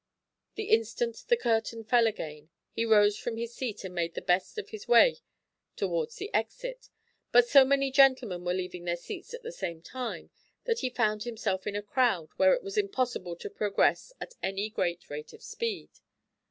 The instant the curtain fell again he rose from his seat and made the best of his way towards the exit, but so many gentlemen were leaving their seats at the same time that he found himself in a crowd where it was impossible to progress at any great rate of speed.